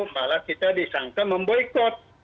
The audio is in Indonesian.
malah kita disangka memboykot